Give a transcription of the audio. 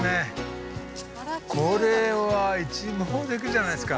これは一望できるじゃないですか。